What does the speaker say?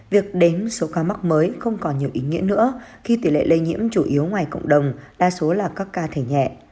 việc đến số ca mắc mới không còn nhiều ý nghĩa nữa khi tỷ lệ lây nhiễm chủ yếu ngoài cộng đồng đa số là các ca thể nhẹ